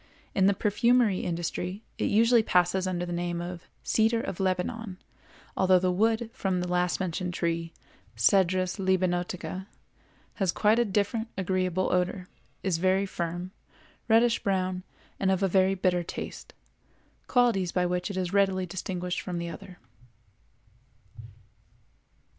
In the perfumery industry it usually passes under the name of the "cedar of Lebanon," although the wood from the last mentioned tree (Cedrus libanotica) has quite a different agreeable odor, is very firm, reddish brown, and of a very bitter taste—qualities by which it is readily distinguished from the other.